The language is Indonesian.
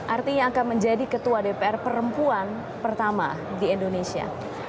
artinya akan menjadi ketua dpr perempuan pertama di indonesia